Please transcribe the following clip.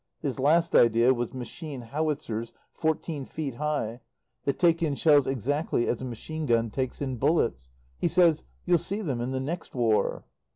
His last idea was machine howitzers fourteen feet high, that take in shells exactly as a machine gun takes in bullets. He says "You'll see them in the next War."